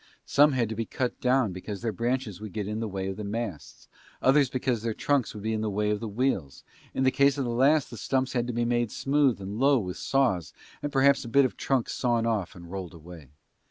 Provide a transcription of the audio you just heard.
Some had to be cut down because their branches would get in the way of the masts, others because their trunks would be in the way of the wheels; in the case of the last the stumps had to be made smooth and low with saws and perhaps a bit of the trunk sawn off and rolled away.